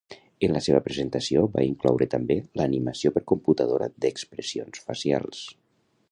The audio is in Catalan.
En la seva presentació va incloure també l'animació per computadora d'expressions facials.